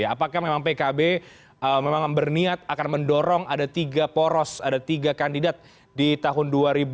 apakah memang pkb memang berniat akan mendorong ada tiga poros ada tiga kandidat di tahun dua ribu dua puluh